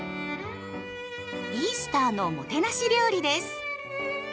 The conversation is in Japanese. イースターのもてなし料理です。